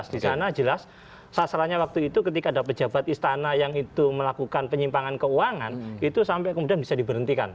di sana jelas sasarannya waktu itu ketika ada pejabat istana yang itu melakukan penyimpangan keuangan itu sampai kemudian bisa diberhentikan